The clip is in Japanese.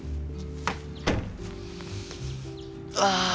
ああ。